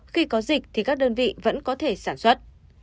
khi có dịch thì các đơn vị vẫn có thể sản xuất